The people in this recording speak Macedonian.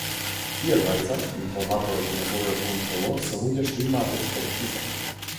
Тие двајца, информаторот и неговиот контролор се луѓе што имаат експертиза.